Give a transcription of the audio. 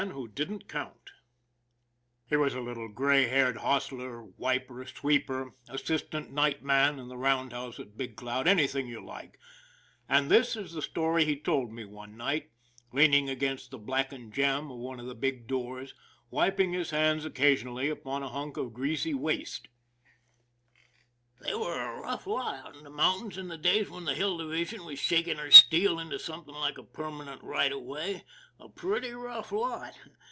WHO DIDN'T COUNT HE was a little gray haired hostler, wiper, sweeper, assistant night man in the roundhouse at Big Cloud, anything you like, and this is the story he told me one night, leaning against the blackened jamb of one of the big doors, wiping his hands occasionally upon a hunk of greasy waste. They were a rough lot out in the mountains in the days when the Hill Division was shaking her steel into something like a permanent right of way a pretty rough lot.